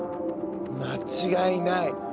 間違いない。